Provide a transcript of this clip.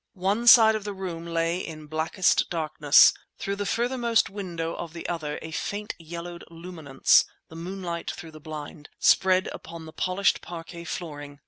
One side of the room lay in blackest darkness; through the furthermost window of the other a faint yellowed luminance (the moonlight through the blind) spread upon the polished parquet flooring.